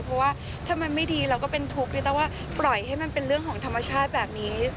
เพราะว่าถ้ามันไม่ดีเราก็เป็นทุกข์ที่ต้องว่าปล่อยให้มันเป็นเรื่องของธรรมชาติแบบนี้